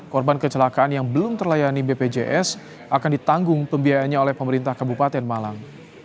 korban kecelakaan yang belum terlayani bpjs akan ditanggung pembiayanya oleh pemerintah kabupaten malang